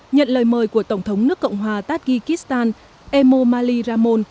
nhận lời mời của tổng thống nước cộng hòa tajikistan emmo mali ramon